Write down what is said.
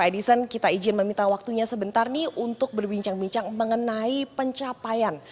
edison kita izin meminta waktunya sebentar nih untuk berbincang bincang mengenai pencapaian